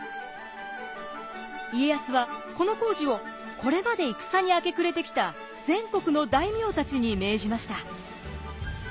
家康はこの工事をこれまで戦に明け暮れてきた全国の大名たちに命じました。